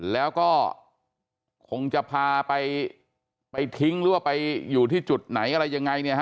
แล้วก็คงจะพาไปทิ้งหรือว่าไปอยู่ที่จุดไหนอะไรยังไงเนี่ยฮะ